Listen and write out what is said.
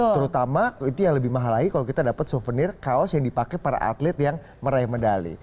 terutama itu yang lebih mahal lagi kalau kita dapat souvenir kaos yang dipakai para atlet yang meraih medali